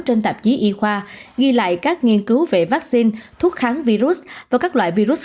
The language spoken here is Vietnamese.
trên tạp chí y khoa ghi lại các nghiên cứu về vaccine thuốc kháng virus và các loại virus